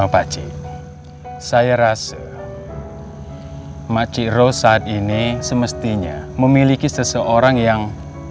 pakcik saya rasa makcik ros saat ini semestinya memiliki seseorang yang